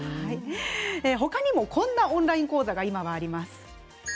他にも、こんなオンライン講座が今あります。